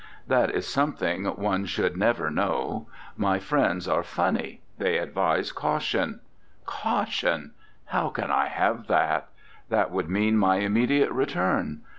"That is something one should never know. My friends are funny; they ad vise caution. Caution ! How can I have that? That would mean my immediate return.